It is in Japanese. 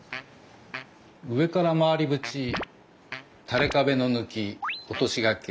上からまわり縁垂れ壁の貫落とし掛け